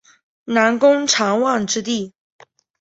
南宫长万之弟。